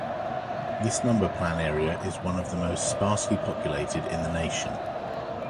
This number plan area is one of the most sparsely populated in the nation.